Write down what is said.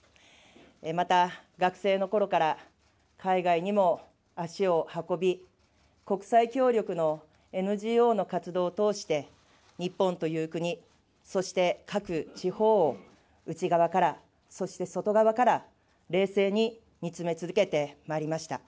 また、学生のころから海外にも足を運び、国際協力のＮＧＯの活動を通して、日本という国、そして各地方を内側から、そして外側から冷静に見つめ続けてまいりました。